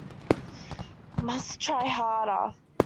Must try harder.